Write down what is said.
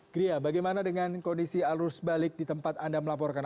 gria bagaimana dengan kondisi arus balik di tempat anda melaporkan